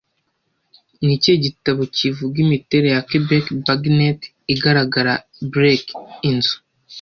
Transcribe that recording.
Ni ikihe gitabo kivuga imiterere ya Quebec Bagnet igaragara Bleak Inzu